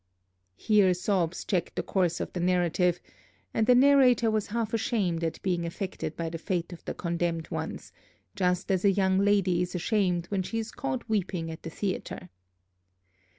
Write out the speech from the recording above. Here sobs checked the course of the narrative; and the narrator was half ashamed at being affected by the fate of the condemned ones, just as a young lady is ashamed when she is caught weeping at the theatre.